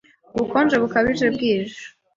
Ubukonje bukabije bwije.